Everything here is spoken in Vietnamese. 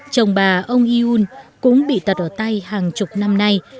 chồng bà ông yun cũng bị tật ở tay hàng chục năm nay